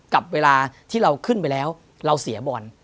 กับเวลาที่เราขึ้นไปแล้วเราเสียบอล